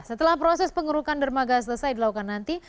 setelah proses pengurukan dermaga selesai dilakukan nanti